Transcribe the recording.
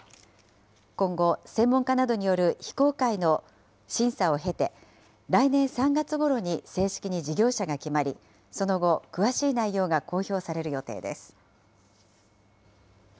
今後、専門家などによる非公開の審査を経て、来年３月ごろに正式に事業者が決まり、その後、詳しい内容が公表される予定です。